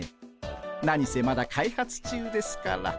何せまだ開発中ですから。